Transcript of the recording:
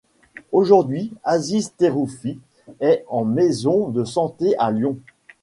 Aujourd'hui, Aziz Terroufi est en maison de santé à Lyon.